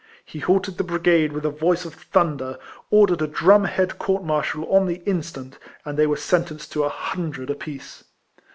He halted the brigade with a voice of thun der, ordered a drum head court martial on the instant, and they were sentenced to a hundred a piece.